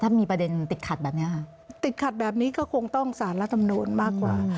ถ้ามีประเด็นติดขัดแบบนี้ค่ะติดขัดแบบนี้ก็คงต้องสารรัฐมนูลมากกว่า